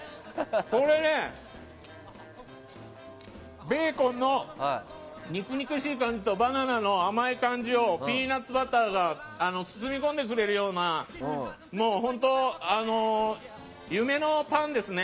これねベーコンの肉々しい感じとバナナの甘い感じをピーナツバターが包み込んでくれるような本当、夢のパンですね。